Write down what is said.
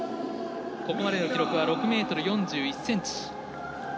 ここまでの記録は６ｍ４１ｃｍ。